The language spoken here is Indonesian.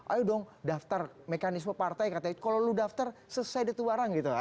ayo dong daftar mekanisme partai katanya kalau lo daftar selesai dituarang gitu